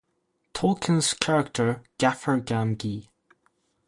Tolkien's character Gaffer Gamgee.